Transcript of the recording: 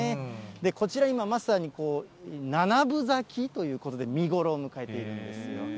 こちら、今まさに７分咲きということで、見頃を迎えているんですよ。